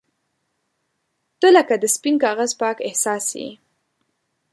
• ته لکه د سپین کاغذ پاک احساس یې.